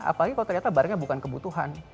apalagi kalau ternyata barangnya bukan kebutuhan